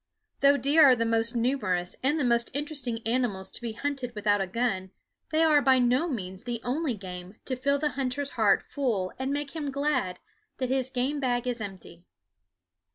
Though deer are the most numerous and the most interesting animals to be hunted without a gun, they are by no means the only game to fill the hunter's heart full and make him glad that his game bag is empty.